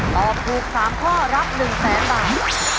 ตอบถูก๓ข้อรับ๑แสนบาท